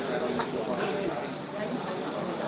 sepupuat dari mana